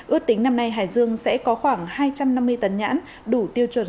ước tính năm nay hải dương sẽ có khoảng hai trăm năm mươi tấn nhãn